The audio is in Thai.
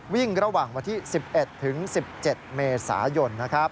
วิ่งระหว่างวันที่๑๑ถึง๑๗เมษายนนะครับ